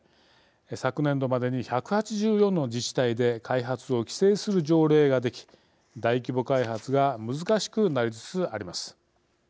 昨年度までに１８４の自治体で開発を規制する条例ができ大規模開発が難しくなりつつあります。